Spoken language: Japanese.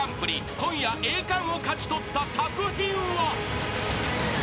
［今夜栄冠を勝ち取った作品は］